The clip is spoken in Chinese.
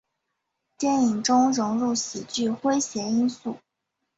电影中融入喜剧诙谐因素。